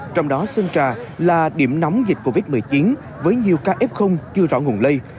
trong đó sơn trà là điểm nóng dịch covid một mươi chín với nhiều ca f chưa rõ nguồn lây